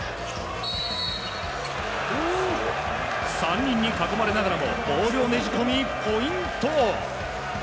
３人に囲まれながらもボールをねじ込みポイント！